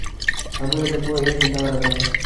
خبرې د پوهې هنداره ده